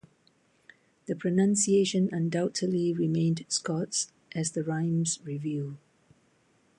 The pronunciation undoubtedly remained Scots as the rhymes reveal.